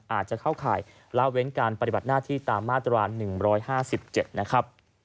อาจจะเข้าข่ายแล้วเว้นการปฏิบัติหน้าที่ตามมาตรฐาน๑๕๗